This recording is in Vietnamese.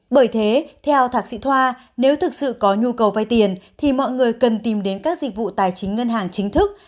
bởi thế theo thạc sĩ thoa nếu thực sự có nhu cầu vay tiền thì mọi người cần tìm đến các dịch vụ tài chính ngân hàng chính thức